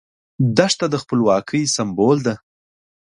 دښته د خپلواکۍ سمبول ده.